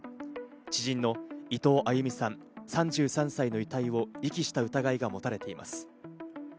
知人の伊藤亜佑美３３歳の遺体を遺棄した疑いが持たれています。